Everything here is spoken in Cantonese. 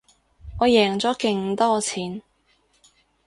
我贏咗勁多錢